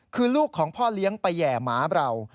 คือลูกของพ่อเลี้ยงไปแห่หมาเรา